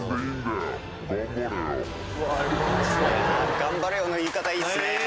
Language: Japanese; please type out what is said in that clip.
「頑張れよ」の言い方いいっすね。